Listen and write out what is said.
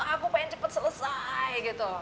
aku pengen cepet selesai gitu